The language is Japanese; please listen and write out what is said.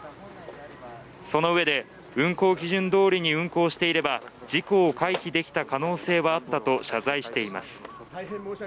そのうえで運航基準どおりに運航していれば事故を回避できた可能性はあったと謝罪しています